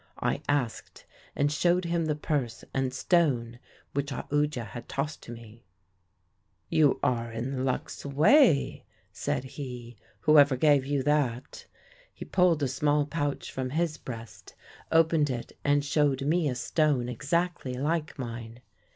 I asked, and showed him the purse and stone which Aoodya had tossed to me. "'You are in luck's way,' said he, 'whoever gave you that.' He pulled a small pouch from his breast, opened it, and showed me a stone exactly like mine.